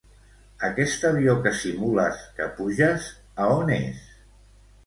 Aquest avió que simules que puges, a on és?